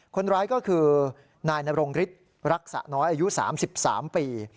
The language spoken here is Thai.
คนร้ายก็คือนายนรงฤทธิ์รักษาน้อยอายุ๓๓ปี